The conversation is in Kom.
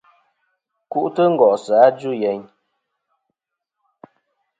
Ku'tɨ ngòsɨ a djuyeyn etm.